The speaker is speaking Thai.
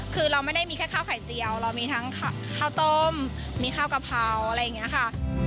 คือเราไม่ได้มีแค่ข้าวไข่เจียวเรามีทั้งข้าวต้มมีข้าวกะเพราอะไรอย่างนี้ค่ะ